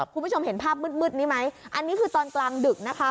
คุณผู้ชมเห็นภาพมืดนี้ไหมอันนี้คือตอนกลางดึกนะคะ